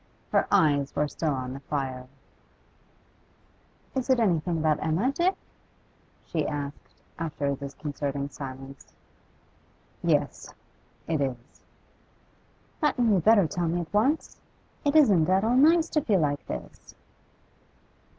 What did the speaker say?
Her eyes were still on the fire. 'Is it anything about Emma, Dick?' she asked, after a disconcerting silence. 'Yes, it is.' 'Hadn't you better tell me at once? It isn't at all nice to feel like this.